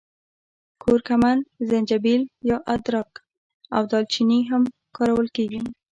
کورکمن، زنجبیل یا ادرک او دال چیني هم کارول کېږي.